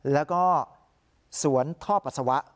แล้วก็สวนท่อปัสสาวะ